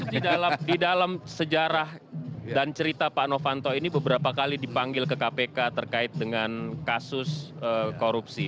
di dalam sejarah dan cerita pak novanto ini beberapa kali dipanggil ke kpk terkait dengan kasus korupsi